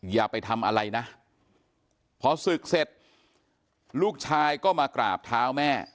อย่าไปทำอะไรนะพอศึกเสร็จลูกชายก็มากราบเท้าแม่